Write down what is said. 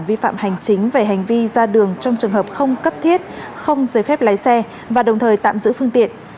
vi phạm hành chính về hành vi ra đường trong trường hợp không cấp thiết không giấy phép lái xe và đồng thời tạm giữ phương tiện